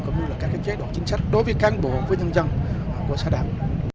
cũng như là các cái chế độ chính sách đối với cán bộ với nhân dân của xã đảo